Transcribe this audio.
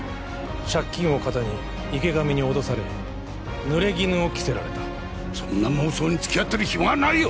借金をかたに池上に脅され濡れ衣を着せられたそんな妄想に付き合ってる暇はないよ！